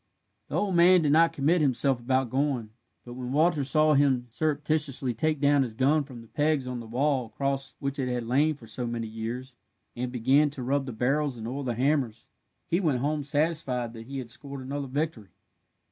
The old man did not commit himself about going, but when Walter saw him surreptitiously take down his gun from the pegs on the wall across which it had lain for so many years, and began to rub the barrels and oil the hammers, he went home satisfied that he had scored another victory.